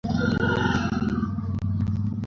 সে একা থাকতেই স্বচ্ছন্দ।